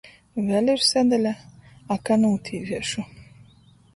Vēļ ir sadaļa "A, ka nūtīviešu"...